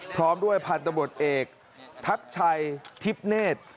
พร้อมด้วยพลันตมตรเองทักชายทิพเนท